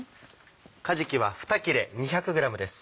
かじきは２切れ２００ｇです。